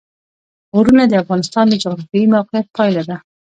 غرونه د افغانستان د جغرافیایي موقیعت پایله ده.